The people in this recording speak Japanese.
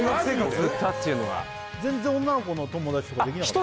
全然女の子の友達とかできなかったの？